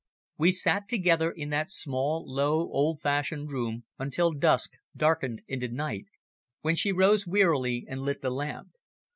We sat together in that small, low, old fashioned room, until dusk darkened into night, when she rose wearily and lit the lamp.